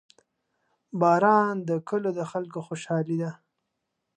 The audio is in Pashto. • باران د کلیو د خلکو خوشحالي ده.